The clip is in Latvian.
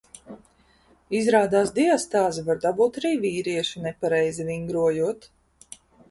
Izrādās diastāzi var dabūt arī vīrieši, nepareizi vingrojot.